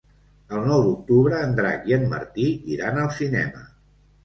El nou d'octubre en Drac i en Martí iran al cinema.